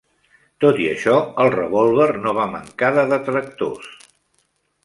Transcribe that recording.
Tot i això, el revòlver no va mancar de detractors.